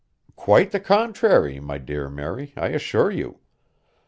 "Quite the contrary, my dear Mary, I assure you.